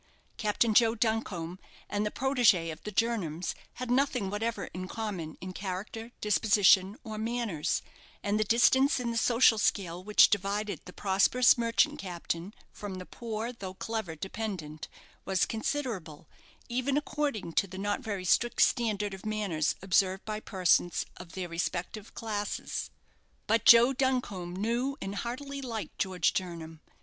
Captain Joe Duncombe and the protégé of the Jernams had nothing whatever in common in character, disposition, or manners, and the distance in the social scale which divided the prosperous merchant captain from the poor, though clever, dependent, was considerable, even according to the not very strict standard of manners observed by persons of their respective classes. But Joe Duncombe knew and heartily liked George Jernam.